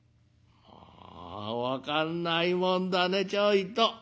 「ああ分かんないもんだねちょいと。